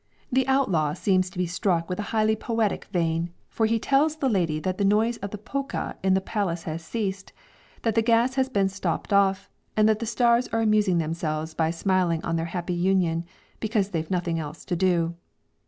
The outlaw seems to be struck with a highly poetic vein, for he tells the lady that the noise of the polka in the palace has ceased, that the gas has been stopped off, and that the stars are amusing themselves by smiling on their happy union, "because they've nothing else to do."